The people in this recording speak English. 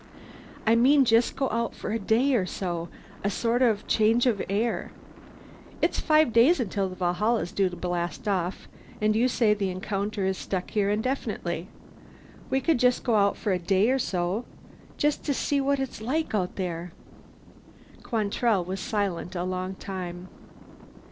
"I mean just going out for a day or so a sort of change of air. It's five days till the Valhalla's due to blast off, and you say the Encounter is stuck here indefinitely. We could just go for a day or so just to see what it's like out there." Quantrell was silent a long time.